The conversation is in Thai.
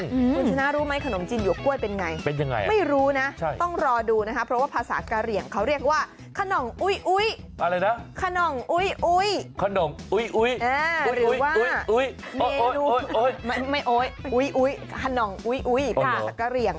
คุณชนะรู้ไหมขนมจีนหยวกกล้วยเป็นไงไม่รู้นะต้องรอดูนะครับเพราะว่าภาษากาเหรียงเขาเรียกว่าขนมอุ้ย